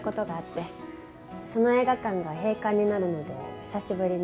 その映画館が閉館になるので久しぶりに。